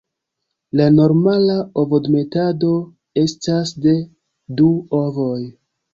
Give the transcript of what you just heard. La normala ovodemetado estas de du ovoj.